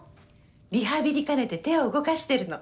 リハビリ兼ねて手を動かしてるの。